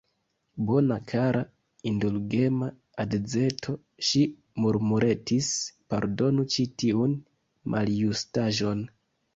Bona, kara, indulgema edzeto, ŝi murmuretis, pardonu ĉi tiun maljustaĵon.